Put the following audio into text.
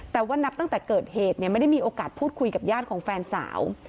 แต่ว่านับตั้งแต่เกิดเหตุไม่ได้มีโอกาสพูดคุยกับญาติของแฟนสาว